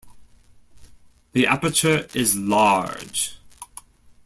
The aperture is large.